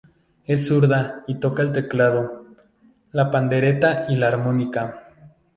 Es zurda y toca el teclado, la pandereta y la armónica.